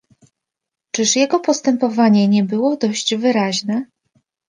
"Czyż jego postępowanie nie było dość wyraźne?"